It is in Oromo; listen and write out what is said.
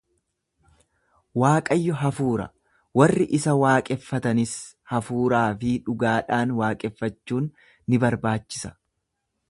Waaqayyo hafuura, warri isa waaqeffatanis hafuuraa fi dhugaadhaan waaqeffachuun ni barbaachisa.